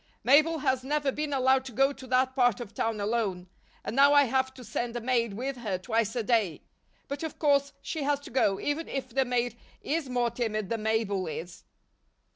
Mabel has never been allowed to go to that part of town alone, and now I have to send a maid with her twice a day. But of course she has to go, even if the maid is more timid than Mabel is."